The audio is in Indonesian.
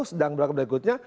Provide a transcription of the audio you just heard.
sedang berangkat berikutnya